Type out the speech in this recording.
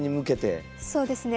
そうですね。